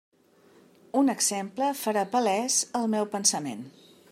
Un exemple farà palès el meu pensament.